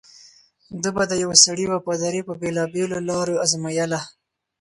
ده به د یوه سړي وفاداري په بېلابېلو لارو ازمویله.